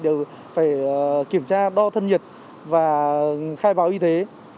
đều phải kiểm tra đo thân nhiệt và khai báo y tế